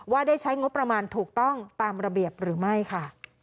ว่าได้ใช้งบประมาณถูกต้องตามระเบียบหรือไม่ค่ะ